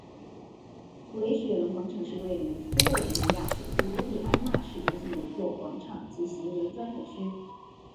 普雷雪伦广场是位于斯洛维尼亚首都卢比安纳市中心的一座广场及行人专用区。